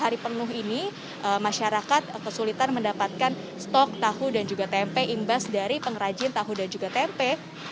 hari penuh ini masyarakat kesulitan mendapatkan stok tahu dan juga tempe imbas dari pengrajin tahu dan juga tempe